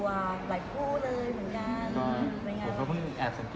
ก็เพิ่งแอบสังเกตในรูป